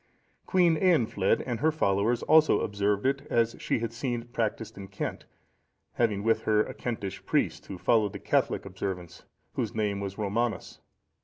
Queen Eanfled and her followers also observed it as she had seen it practised in Kent, having with her a Kentish priest who followed the Catholic observance, whose name was Romanus.